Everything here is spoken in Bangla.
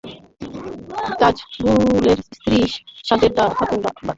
তাজবুলের স্ত্রী সাজেদা খাতুনের দাবি, মহিবুলের সঙ্গে তাজবুল রাজমিস্ত্রির কাজ করতেন।